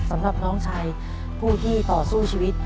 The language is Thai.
สำหรับน้องชายผู้ที่ต่อสู้ชีวิต